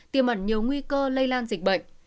tiêm ẩn nhiều nguy cơ lây lan dịch bệnh